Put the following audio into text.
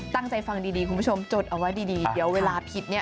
ตั้งใจฟังดีคุณผู้ชมจดเอาไว้ดีเดี๋ยวเวลาผิดเนี่ย